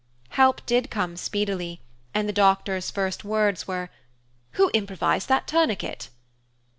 Help did come speedily, and the doctor's first words were "Who improvised that tourniquet?"